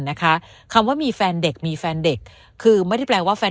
นะคะคำว่ามีแฟนเด็กมีแฟนเด็กคือไม่ได้แปลว่าแฟน